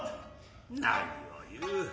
何を言う。